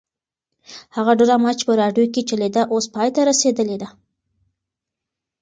هغه ډرامه چې په راډیو کې چلېده اوس پای ته رسېدلې ده.